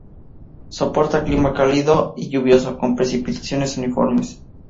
Soporta clima cálido y lluvioso, con precipitaciones uniformes.